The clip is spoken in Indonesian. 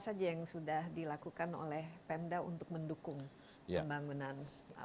apa saja yang sudah dilakukan oleh pemda untuk mendukung pembangunan